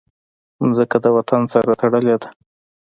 مځکه د وطن سره تړلې ده.